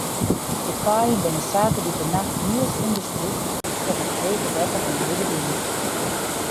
De kaaien binne saterdeitenacht diels ûnderstrûpt troch it hege wetter en de hurde wyn.